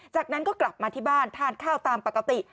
จากนั้นก็กลับมาที่บ้านทานข้าวตามปกติ